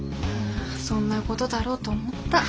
ああそんなごどだろうと思った。